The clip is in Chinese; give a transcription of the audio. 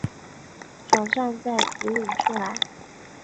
转帐再提领出来